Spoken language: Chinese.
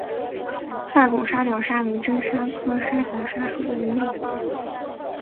大孔沙条鲨为真鲨科沙条鲨属的鱼类。